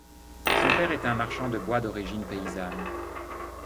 Son père est un marchand de bois d'origine paysanne.